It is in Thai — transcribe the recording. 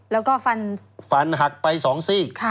แล้วก็ฝันฝันหักไปสองสีก